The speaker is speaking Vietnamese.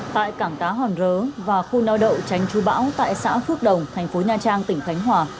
tại cảng cá hòn rớ và khu nao đậu tranh trú bão tại xã phước đồng thành phố nha trang tỉnh thánh hòa